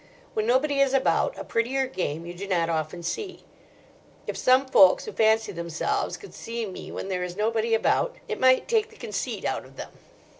When nobody is about, a prettier game you do not often see. If some folks who fancy themselves could see me when there is nobody about, it might take the conceit out of them.